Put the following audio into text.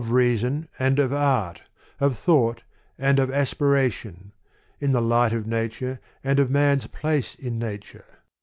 reason and of art, of thought and of aspir ation, in the light of nature and of man's place in nature.